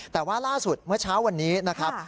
แต่ว่าล่าสุดเมื่อเช้าวันนี้นะครับ